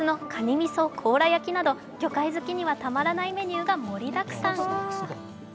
みそ甲羅焼きなど魚介好きにはたまらないメニューが盛りだくさん。